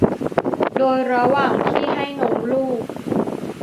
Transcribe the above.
โดยระหว่างที่ให้นมลูก